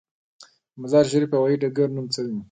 د مزار شریف هوايي ډګر نوم څه دی؟